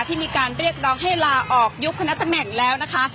ที่มีการเรียกร้องให้ลาออกยุบคณะตำแหน่งแล้วนะคะ